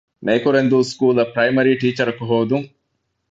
ނޭކުރެންދޫ ސްކޫލަށް ޕްރައިމަރީ ޓީޗަރަކު ހޯދުން